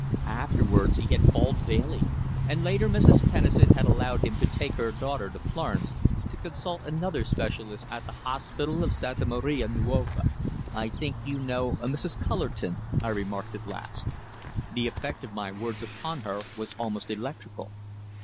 Afterwards he had called daily, and later Mrs. Tennison had allowed him to take her daughter to Florence to consult another specialist at the hospital of Santa Maria Nuova. "I think you know a Mrs. Cullerton," I remarked at last. The effect of my words upon her was almost electrical.